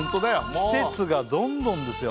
季節がどんどんですよ